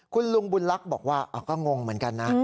คุณลุงบุญลักษณ์บอกว่าก็งงเหมือนกันนะ